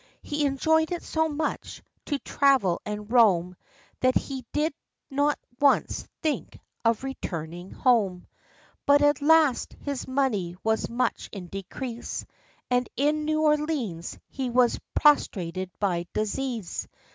He enjoyed it so much, to travel and roam, That he did not once think of returning home. 5 * 54 THE LIFE AND ADVENTURES But, at last, his money was much in decrease, And in New Orleans he was prostrated by disease.